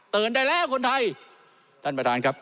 ได้แล้วคนไทยท่านประธานครับ